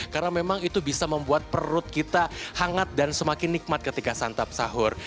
karena memang itu bisa membuat perut kita hangat dan semakin nikmat ketika santap sahur